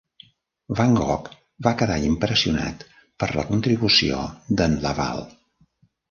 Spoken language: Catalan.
Van Gogh va quedar impressionat per la contribució de"n Laval.